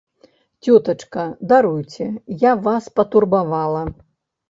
Цётачка, даруйце, я вас патурбавала.